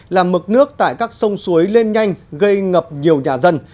làm mực nước tại các sông suối lên nhanh gây ngập nhiều nhà dân